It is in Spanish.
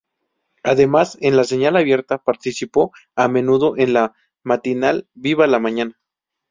Además, en la señal abierta participó a menudo en el matinal "Viva la mañana".